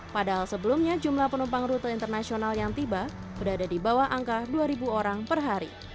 padahal sebelumnya jumlah penumpang rute internasional yang tiba berada di bawah angka dua orang per hari